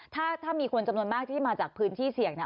ถ้ามีคนจำนวนมากที่มาจากพื้นที่เสี่ยงนะ